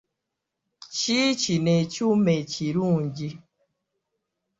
Kiikino ekyuma ekirungi.